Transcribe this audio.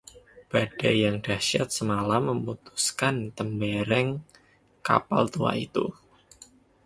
badai yang dahsyat semalam memutuskan temberang kapal tua itu